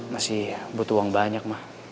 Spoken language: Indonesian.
masih butuh uang banyak mah